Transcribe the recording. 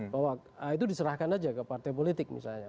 bahwa itu diserahkan aja ke partai politik misalnya